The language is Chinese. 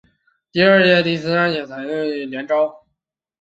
第二届至第三届采北市资优联招。